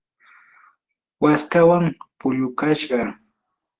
waskawan pillukashqa.